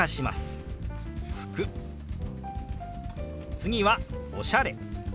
次は「おしゃれ」。